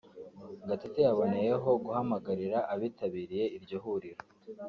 Gatete yaboneyeho guhamagarira abitabiriye iryo huriro